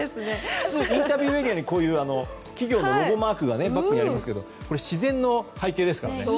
普通、インタビューエリアに企業のロゴマークがバックにありますけど自然の背景ですから。